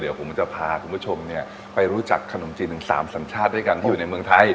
เดี๋ยวผมจะพาคุณผู้ชมไปรู้จักขนมจีนถึง๓สัญชาติด้วยกันที่อยู่ในเมืองไทย